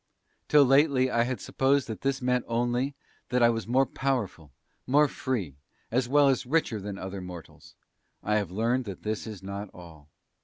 "Till lately I had supposed that this meant only that I was more powerful, more free, as well as richer than other mortals. I have learned that this is not all.